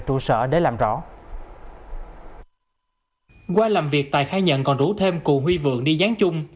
qua làm việc tài khai nhận còn rủ thêm cụ huy vượng đi dán chung